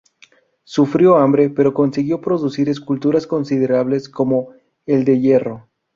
Sufrió hambre, pero consiguió producir esculturas considerables, como "El de hierro".